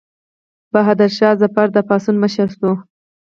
بهادر شاه ظفر د پاڅون مشر شو.